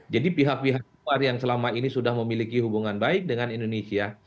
jadi pihak pihak luar yang selama ini sudah memiliki hubungan baik dengan indonesia